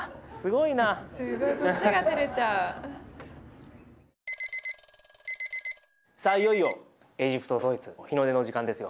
いよいよエジプトドイツ日の出の時間ですよ。